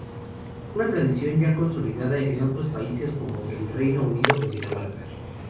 Una tradición ya consolidada en otros países, como el Reino Unido o Dinamarca.